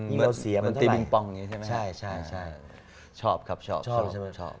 ยิ่งเราเสียมันเท่าไหร่ใช่ไหมครับใช่ใช่ชอบครับชอบชอบชอบชอบ